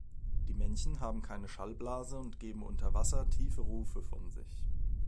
Die Männchen haben keine Schallblase und geben unter Wasser tiefe Rufe von sich.